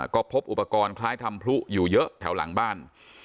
ก็พบอุปกรณ์คล้ายทำพลุอยู่เยอะแถวหลังบ้าน